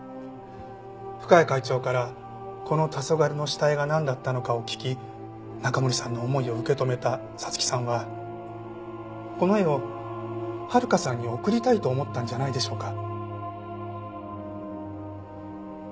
深谷会長からこの『黄昏』の下絵がなんだったのかを聞き中森さんの思いを受け止めた彩月さんはこの絵を温香さんに贈りたいと思ったんじゃないでしょうか。